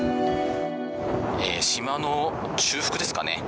島の中腹ですかね。